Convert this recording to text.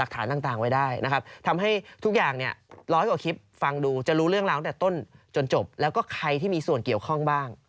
ตั้งแต่ต้นจนจบแล้วก็ใครที่มีส่วนเกี่ยวข้องบ้าง